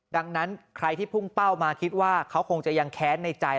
ดังนั้นใครที่พุ่งเป้ามาคิดว่าเขาคงจะยังแค้นในใจ